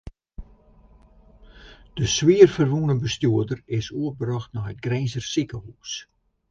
De swier ferwûne bestjoerder is oerbrocht nei it Grinzer sikehús.